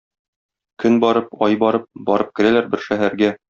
Көн барып, ай барып, барып керәләр бер шәһәргә.